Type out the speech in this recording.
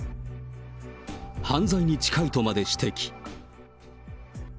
犯罪に近いとまで指摘。